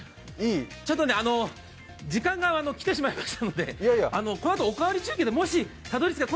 時間が来てしまいましたのでこのあと「おかわり中継」でもしたどり着けたら。